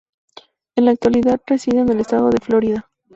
En la actualidad reside en el estado de la Florida.